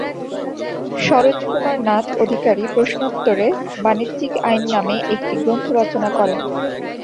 সরোজ কুমার নাথ অধিকারী প্রশ্নোত্তরে বাণিজ্যিক আইন নামে একটি গ্রন্থ রচনা করেন।